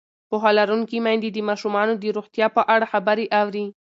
پوهه لرونکې میندې د ماشومانو د روغتیا په اړه خبرې اوري.